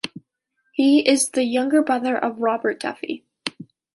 He is the younger brother of Robert Duffy.